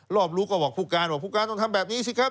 ก็บอกผู้การต้องทำแบบนี้สิครับ